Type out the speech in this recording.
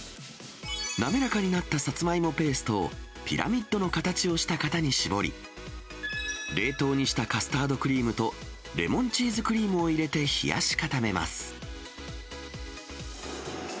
滑らかになったサツマイモペーストを、ピラーの形をした型に絞り、冷凍にしたカスタードクリームとレモンチーズクリームを入れて冷やし固めます。